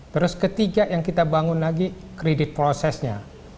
terus ketiga yang kita bangun lagi kredit prosesnya